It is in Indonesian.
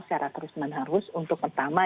secara terus menerus untuk pertama